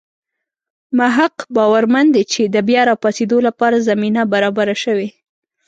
مح ق باورمن دی چې د بیا راپاڅېدو لپاره زمینه برابره شوې.